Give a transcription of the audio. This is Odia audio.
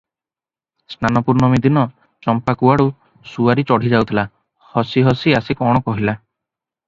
ସ୍ନାନପୂର୍ଣ୍ଣମୀ ଦିନ ଚମ୍ପା କୁଆଡ଼େ ସୁଆରି ଚଢ଼ିଯାଉଥିଲା, ହସି ହସି ଆସି କଣ କହିଲା ।